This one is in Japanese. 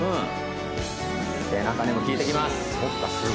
背中にもきいてきます